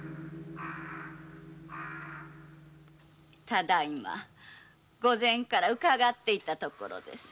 ただいま御前からうかがっていたところです。